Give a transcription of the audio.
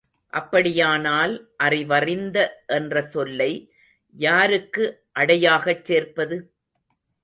அப்படியானால் அறிவறிந்த என்ற சொல்லை யாருக்கு அடையாகச் சேர்ப்பது?